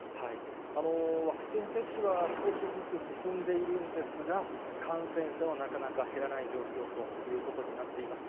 ワクチン接種は少しずつ進んでいるんですが、感染者はなかなか減らない状況ということになっています。